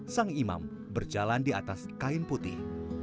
sang imam berjalan di atas kain putih